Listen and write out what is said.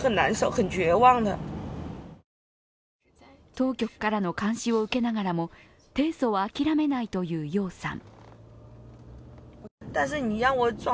当局からの監視を受けながらも提訴は諦めないという楊さん。